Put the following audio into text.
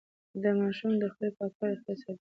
د ماشوم د خولې پاکوالی روغتيا ساتي.